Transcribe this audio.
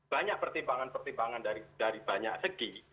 banyak pertimbangan pertimbangan dari banyak segi